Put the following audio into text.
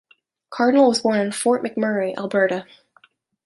Cardinal was born in Fort McMurray, Alberta.